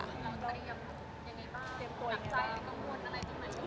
ตอนนี้ยังอย่างนี้บ้างน่ากใจหรือเป็นอะไร